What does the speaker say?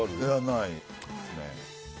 ないですね。